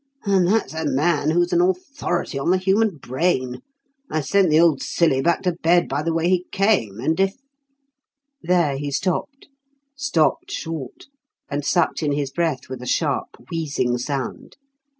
And that's a man who's an authority on the human brain! I sent the old silly back to bed by the way he came, and if " There he stopped, stopped short, and sucked in his breath with a sharp, wheezing sound.